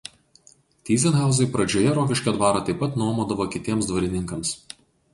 Tyzenhauzai pradžioje Rokiškio dvarą taip pat nuomodavo kitiems dvarininkams.